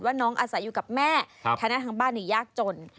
ว่าน้องอาศัยอยู่กับแม่คณะทางบ้านอย่างยากจน